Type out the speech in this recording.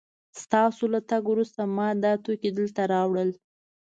ستاسو له تګ وروسته ما دا توکي دلته راوړل